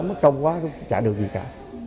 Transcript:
nó mất công quá thì chả được gì cả